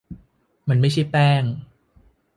มันไม่ใช่แป้ง